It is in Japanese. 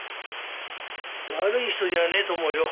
悪い人じゃねえと思うよ。